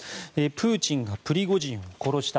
プーチンがプリゴジンを殺した。